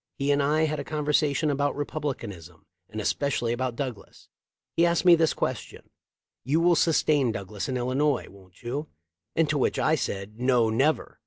He and I had a conversation about Republicanism and especially about Douglas. He asked me this ques tion 'You will sustain Douglas in Illinois wont you?' and to which I said Wo, never!'